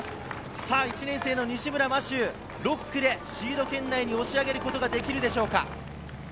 さぁ１年生の西村真周、６区でシード圏内に押し上げることができるでしょうか。